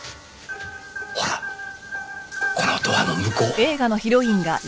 ほらこのドアの向こう。